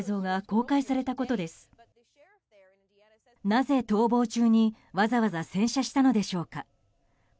なぜ、逃亡中にわざわざ洗車したのでしょうか。